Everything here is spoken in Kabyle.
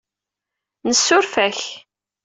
Nessuref-ak.